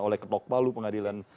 oleh ketok balu pengadilan